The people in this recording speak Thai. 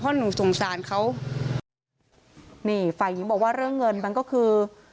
เพราะหนูสงสารเขานี่ฝ่ายหญิงบอกว่าเรื่องเงินมันก็คือ